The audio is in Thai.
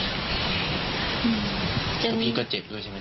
คือพี่ก็เจ็บด้วยใช่ไหม